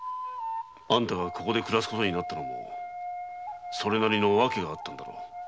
あんたがここで暮らすことになったのもそれなりの訳があったのだろう。